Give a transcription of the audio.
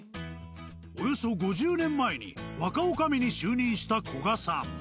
およそ５０年前に若女将に就任した古賀さん。